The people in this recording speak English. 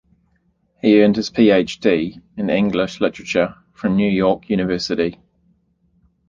He earned his Ph.D. in English literature from New York University.